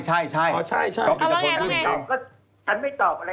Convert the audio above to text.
ชั้นไม่ตอบอะไรด้วยนี้ก็แสดงว่าท่าอยู่อยู่แจสชั้นก็ตอบ